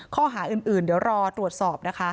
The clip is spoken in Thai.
ข้อหาอื่นเดี๋ยวรอตรวจสอบนะคะ